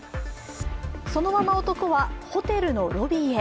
そのまま男はホテルのロビーへ。